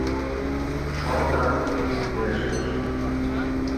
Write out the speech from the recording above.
— шоҥгат пелештыш.